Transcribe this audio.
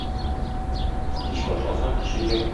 Кич башласаң кичегә.